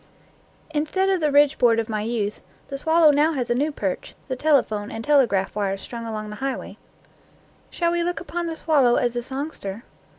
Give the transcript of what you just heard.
Instead of the ridge board of my youth, the swal low now has a new perch, the telephone and tele graph wires strung along the highway. Shall we look upon the swallow as a songster?